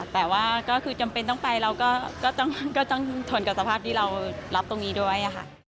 แต่ว่าก็คือจำเป็นต้องไปเราก็ต้องทนกับสภาพที่เรารับตรงนี้ด้วยค่ะ